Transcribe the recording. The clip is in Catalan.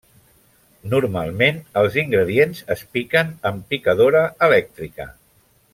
Normalment els ingredients es piquen amb picadora elèctrica.